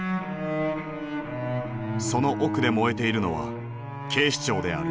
その奥で燃えているのは警視庁である。